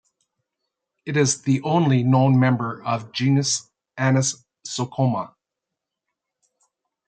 It is the only known member of genus Anisocoma.